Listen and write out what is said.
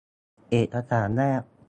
เอกสารแนบ